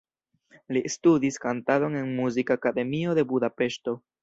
Li studis kantadon en Muzikakademio de Budapeŝto.